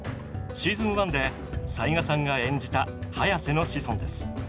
シーズン１で斎賀さんが演じたハヤセの子孫です。